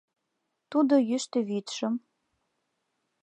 Тудо йӱштӧ вӱдшым